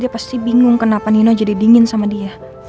dia pasti bingung kenapa nino jadi dingin sama dia